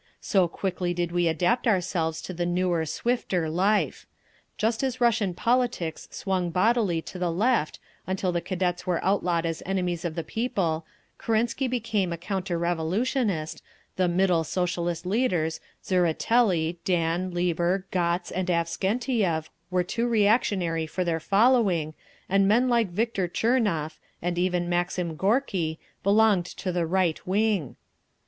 So quickly did we adapt ourselves to the newer, swifter life; just as Russian politics swung bodily to the Left—until the Cadets were outlawed as "enemies of the people," Kerensky became a "counter revolutionist," the "middle" Socialist leaders, Tseretelli, Dan, Lieber, Gotz and Avksentiev, were too reactionary for their following, and men like Victor Tchernov, and even Maxim Gorky, belonged to the Right Wing….